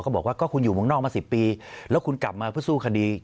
ก็บอกว่าคุณอยู่เมืองนอกมา๑๐ปี